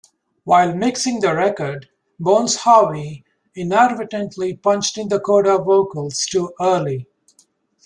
While mixing the record, Bones Howe inadvertently punched in the coda vocals too early.